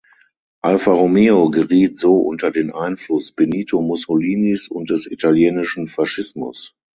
Alfa Romeo geriet so unter den Einfluss Benito Mussolinis und des Italienischen Faschismus.